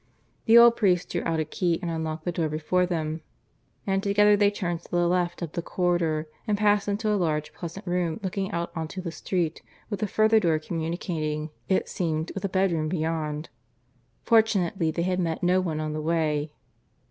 The old priest drew out a key and unlocked the door before them; and together they turned to the left up the corridor, and passed into a large, pleasant room looking out on to the street, with a further door communicating, it seemed, with a bedroom beyond. Fortunately they had met no one on the way.